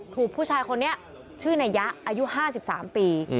ถูกผู้ชายคนนี้ชื่อนายะอายุ๕๓ปี